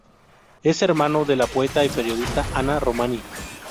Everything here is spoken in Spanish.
Es hermano de la poeta y periodista Ana Romaní.